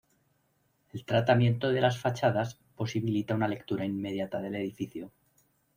El tratamiento de las fachadas posibilita una lectura inmediata del edificio.